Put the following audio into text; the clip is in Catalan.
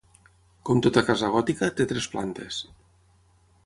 Com tota casa gòtica, té tres plantes.